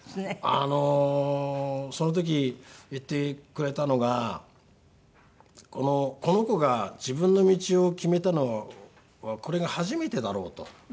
あのその時言ってくれたのが「この子が自分の道を決めたのはこれが初めてだろう」と。